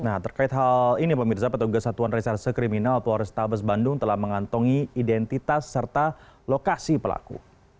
nah terkait hal ini pemirsa petugas satuan reserse kriminal polrestabes bandung telah mengantongi identitas serta lokasi pelaku